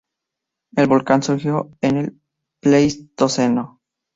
El volcán surgió en el Pleistoceno.